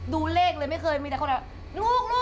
ดูเลขเลยไม่เคยมีแต่คนแบบลูก